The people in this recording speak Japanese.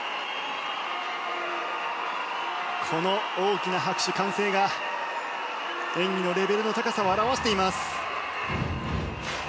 この大きな拍手、歓声が演技のレベルの高さを表しています。